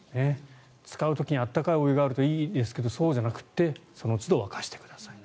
使う時には温かいお湯があるといいですけどそうじゃなくてそのつど沸かしてください。